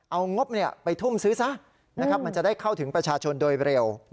เอางบไปทุ่มซื้อซะมันจะได้เข้าถึงประชาชนโดยเร็ว